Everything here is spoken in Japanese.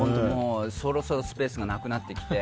そろそろスペースがなくなってきて。